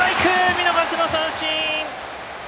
見逃し三振！